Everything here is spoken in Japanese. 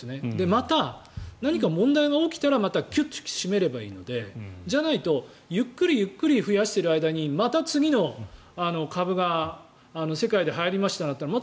また、何か問題が起きたらまたキュッと締めればいいのでじゃないと、ゆっくりゆっくり増やしている間にまた次の株が世界ではやりましたといったら